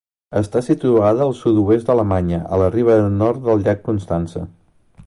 Està situada al sud-oest d'Alemanya a la riba nord del llac Constança.